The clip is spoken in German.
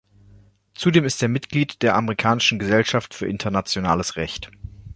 Zudem ist er Mitglied der Amerikanischen Gesellschaft für internationales Recht.